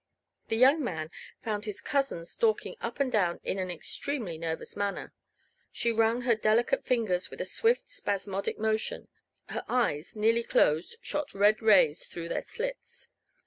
The young man found his cousin stalking up and down in an extremely nervous manner. She wrung her delicate fingers with a swift, spasmodic motion. Her eyes, nearly closed, shot red rays through their slits.